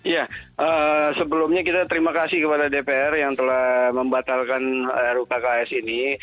ya sebelumnya kita terima kasih kepada dpr yang telah membatalkan rukks ini